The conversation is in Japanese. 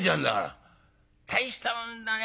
大したもんだね